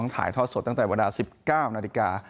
ถ่ายทอดสดตั้งแต่เวลา๑๙นาฬิกา